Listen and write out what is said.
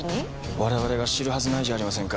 我々が知るはずないじゃありませんか。